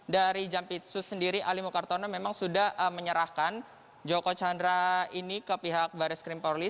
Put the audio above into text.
dari jampitsu sendiri alimu kartono memang sudah menyerahkan joko chandra ini ke pihak baris krim poli